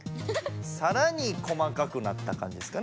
さらに細かくなった感じですかね